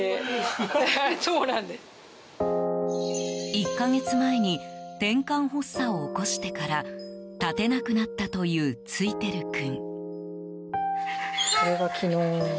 １か月前にてんかん発作を起こしてから立てなくなったというツイテル君。